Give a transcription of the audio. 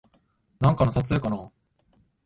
なんかの撮影かな